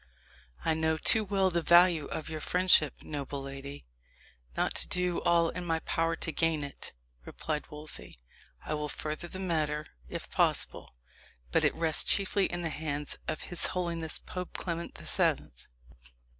"I know too well the value of your friendship, noble lady, not to do all in my power to gain it," replied Wolsey. "I will further the matter, if possible. But it rests chiefly in the hands of his holiness Pope Clement the Seventh."